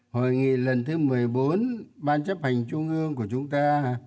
hội nghị lần thứ một mươi bốn ban chấp hành trung ương của chúng ta